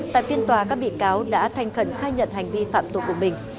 tại phiên tòa các bị cáo đã thành khẩn khai nhận hành vi phạm tội của mình